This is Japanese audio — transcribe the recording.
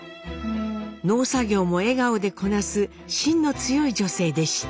農作業も笑顔でこなすしんの強い女性でした。